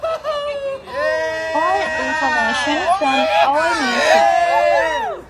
All information from Allmusic.